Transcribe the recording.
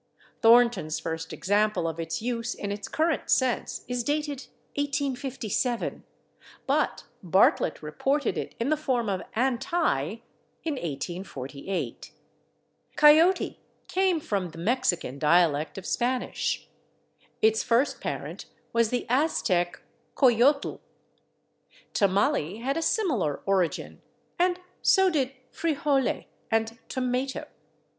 Thornton's first example of its use in its current sense is dated 1857, but Bartlett reported it in the form of /anti/ in 1848. /Coyote/ came from the Mexican dialect of Spanish; its first parent was the Aztec /coyotl/. /Tamale/ had a similar origin, and so did /frijole/ and /tomato